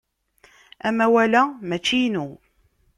Amawal-a mačči inu.